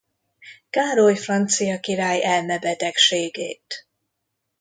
Károly francia király elmebetegségét.